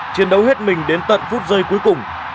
chiến đấu hết mình đến tận phút giây cuối cùng